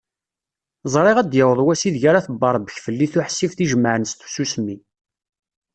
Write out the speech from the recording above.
Ẓriɣ ad d-yaweḍ wass i deg ara tebberbek fell-i tuḥsift i jemaɛen s tsusmi.